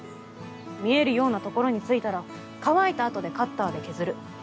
見えるような所に付いたら乾いたあとでカッターで削る。